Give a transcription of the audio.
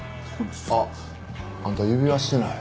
あっあんた指輪してない。